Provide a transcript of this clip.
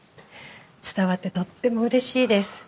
伝わってとってもうれしいです。